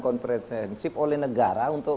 kompetensif oleh negara untuk